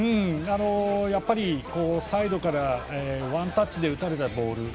やはりサイドからワンタッチで打たれたボール。